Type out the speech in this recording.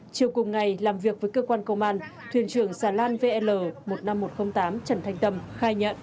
chiều cùng ngày làm việc với cơ quan công an thuyền trưởng xà lan vl một mươi năm nghìn một trăm linh tám trần thanh tâm khai nhận